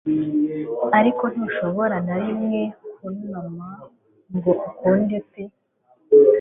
Ariko ntushobora na rimwe kunama ngo ukunde pe